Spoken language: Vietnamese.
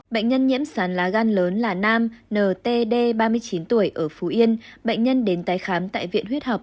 bệnh nhân nhiễm sán lá gan lớn là nam ntd ba mươi chín tuổi ở phú yên bệnh nhân đến tái khám tại viện huyết học